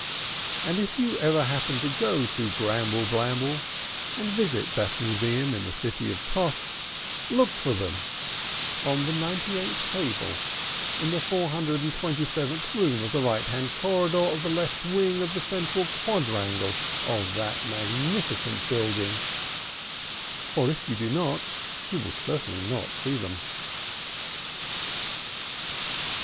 And if you ever happen to go to Gramble Blamble, and visit that museum in the city of Tosh, look for them on the ninety eighth table in the four hundred and twenty seventh room of the right hand corridor of the left wing of the central quadrangle of that magnificent building; for, if you do not, you certainly will not see them.